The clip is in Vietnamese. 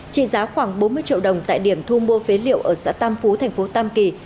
trị giá khoảng bốn mươi triệu đồng tại điểm thu mua phế liệu ở xã tam phú thành phố tam kỳ